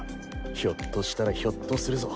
ひょっとしたらひょっとするぞ。